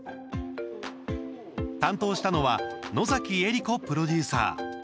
担当したのは野崎瑛理子プロデューサー。